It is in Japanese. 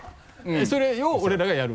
えっそれを俺らがやる？